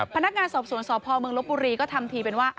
พนักงานสอบสวนสพเมืองลบบุรีก็ทำทีเป็นว่า